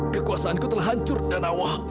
kekuasaanku telah hancur danawa